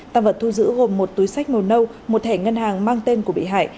tăng vật thu giữ gồm một túi sách màu nâu một thẻ ngân hàng mang tên của bị hại